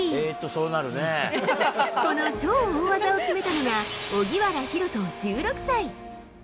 この超大技を決めたのが、荻原大翔１６歳。